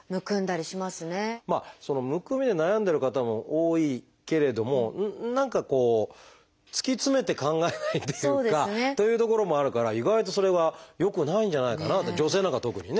むくみで悩んでる方も多いけれども何かこう突き詰めて考えないというかというところもあるから意外とそれはよくないんじゃないかなと女性なんかは特にね。